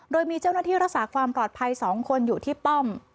โดยมีเจ้าหน้าที่รักษาความปลอดภัย๒คนอยู่ที่ป้อม